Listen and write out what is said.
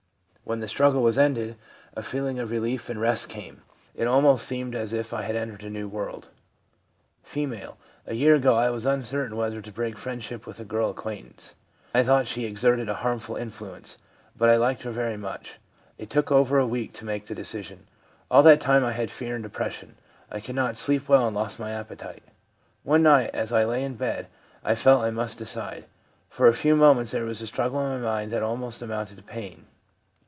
When the struggle was ended, a feeling CONVERSION AS A NORMAL EXPERIENCE 137 of relief and rest came ; it almost seemed as if I had entered a new world/ F. ' A year ago I was uncertain whether to break friendship with a girl acquaintance. I thought she exerted a harmful influence, but I liked her very much. It took over a week to make the de cision ; all that time I had fear and depression, I could not sleep well, and lost my appetite One night, as I lay in bed, I felt I must decide. For a few moments there was a struggle in my mind that almost amounted to pain.